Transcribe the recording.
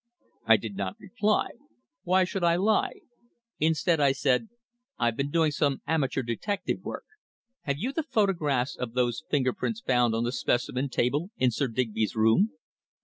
I did not reply. Why should I lie? Instead, I said: "I've been doing some amateur detective work. Have you the photographs of those finger prints found on the specimen table in Sir Digby's room?"